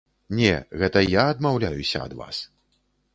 Не, гэта я адмаўляюся ад вас.